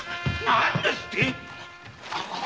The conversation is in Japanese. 何ですって！？